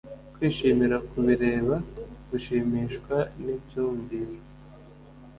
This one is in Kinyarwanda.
kwishimira kubireba, gushimishwa nibyumviro